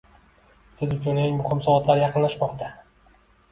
Siz uchun eng muhim soatlar yaqinlashmoqda